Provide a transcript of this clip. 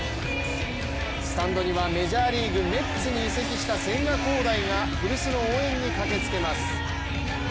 スタンドには、メジャーリーグ・メッツに移籍した千賀滉大が古巣の応援に駆けつけます。